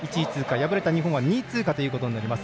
敗れた日本は２位通過となります。